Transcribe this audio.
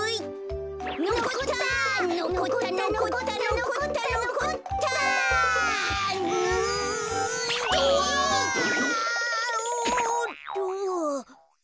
おっと。